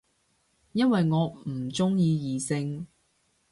因為我唔鍾意異性